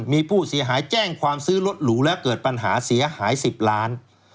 มีผู้เสียหายแจ้งความซื้อรถหรูแล้วเกิดปัญหาเสียหาย๑๐ล้าน